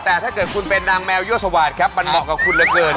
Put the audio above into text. แต่ถ้าเกิดคุณเป็นนางแมวยั่วสวาสตร์ครับมันเหมาะกับคุณเหลือเกิน